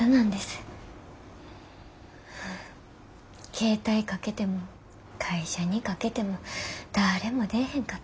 携帯かけても会社にかけてもだれも出えへんかって。